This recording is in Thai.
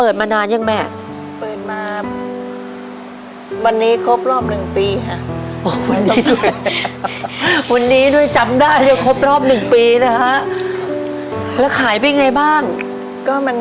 เดือนนะ